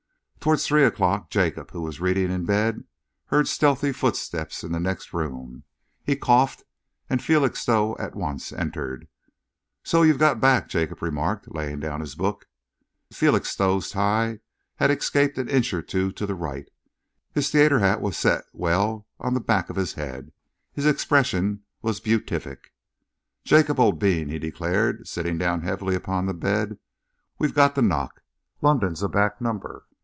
Towards three o'clock, Jacob, who was reading in bed, heard stealthy footsteps in the next room. He coughed and Felixstowe at once entered. "So you've got back," Jacob remarked, laying down his book. Felixstowe's tie had escaped an inch or two to the right, his theatre hat was set well on the back of his head, his expression was beatific. "Jacob, old bean," he declared, sitting down heavily upon the bed, "we've got the knock. London's a back number.